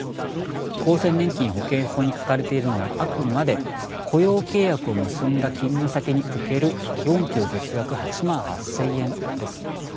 厚生年金保険法に書かれているのはあくまで雇用契約を結んだ勤務先における基本給月額８万８，０００円です。